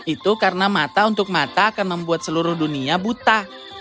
itu karena mata untuk mata akan membuat seluruh dunia buta